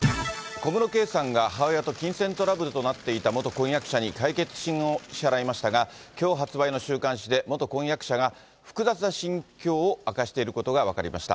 小室圭さんが母親と金銭トラブルとなっていた元婚約者に解決金を支払いましたが、きょう発売の週刊誌で、元婚約者が、複雑な心境を明かしていることが分かりました。